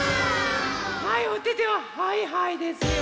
はいおててをはいはいですよ！